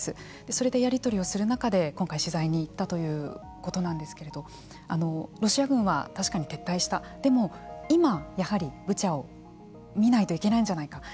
それでやり取りをする中で今回、取材に行ったということなんですけれどロシア軍は確かに撤退したでも今ブチャを見ないといけないんじゃないか。